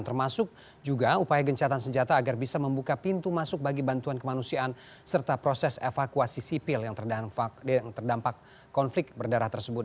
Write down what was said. termasuk juga upaya gencatan senjata agar bisa membuka pintu masuk bagi bantuan kemanusiaan serta proses evakuasi sipil yang terdampak konflik berdarah tersebut